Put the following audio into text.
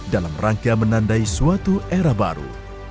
dalam rangka menandai suatu era baru